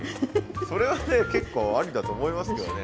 それはね結構ありだと思いますけどね。